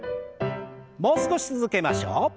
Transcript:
もう少し続けましょう。